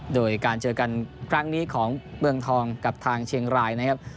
โดยการเจอกันครั้งนี้ของเมืองทองกับทางเชียงรายนะครับ